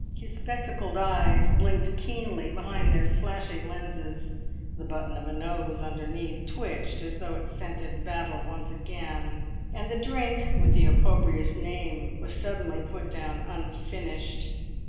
His spectacled eyes blinked keenly behind their flashing lenses; the button of a nose underneath twitched as though it scented battle once again; and the drink with the opprobrious name was suddenly put down unfinished.